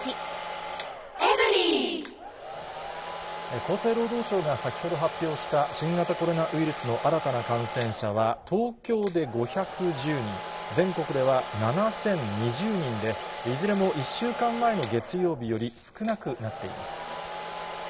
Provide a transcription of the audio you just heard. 厚生労働省が先ほど発表した新型コロナウイルスの新たな感染者は、東京で５１０人、全国では７０２０人で、いずれも１週間前の月曜日より少なくなっています。